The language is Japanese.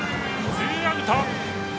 ツーアウト。